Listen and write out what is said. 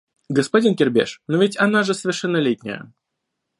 Господин Кербеш, но ведь она же совершеннолетняя